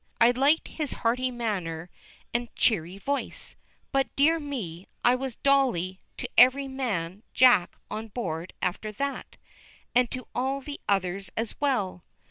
I liked his hearty manner and cheery voice, but, dear me, I was "Dolly" to every man Jack on board after that, and to all the others as well.